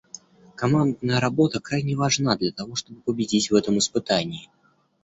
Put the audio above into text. Командная работа крайне важна для того, чтобы победить в этом испытании.